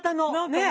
ねえ。